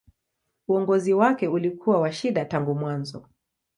Uongozi wake ulikuwa wa shida tangu mwanzo.